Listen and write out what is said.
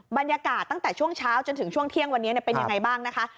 บรรยากาศตั้งแต่ช่วงเช้าจนถึงช่วงเที่ยงวันนี้เป็นยังไงบ้างนะคะ